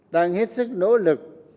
đang hết sức nỗ lực